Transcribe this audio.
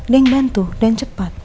dia yang bantu dan cepat